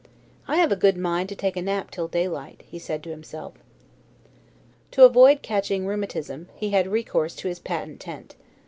"I have a good mind to take a nap till daylight," he said to himself. To avoid catching rheumatism, he had recourse to his patent tent.